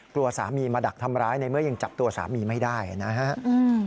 กลัวสามีมาดักทำร้ายในเมื่อยังจับตัวสามีไม่ได้นะฮะ